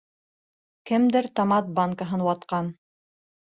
Кемдер томат банкаһын ватҡан.